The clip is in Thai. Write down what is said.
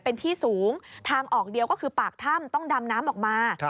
เป็นที่สูงทางออกเดียวก็คือปากถ้ำต้องดำน้ำออกมา